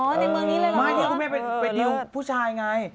ในเมืองนี้เลยเหรอไม่นี่คุณแม่เป็นดิวผู้ชายไง